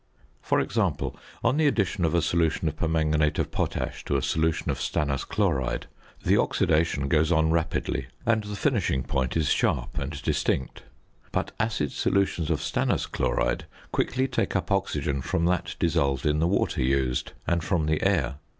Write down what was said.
For example, on the addition of a solution of permanganate of potash to a solution of stannous chloride the oxidation goes on rapidly, and the finishing point is sharp and distinct; but acid solutions of stannous chloride quickly take up oxygen from that dissolved in the water used and from the air.